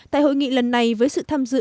tại hội nghị lần này với sự tham dự